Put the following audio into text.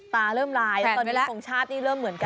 ตอนนี้ทรงชาติเริ่มเหมือนกัน